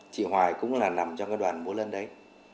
chị hoài cũng là nằm trong cái đoàn bố lân đấy